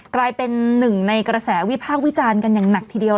กลายเป็นหนึ่งในกระแสวิพากษ์วิจารณ์กันอย่างหนักทีเดียว